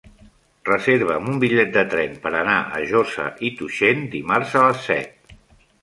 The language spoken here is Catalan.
Reserva'm un bitllet de tren per anar a Josa i Tuixén dimarts a les set.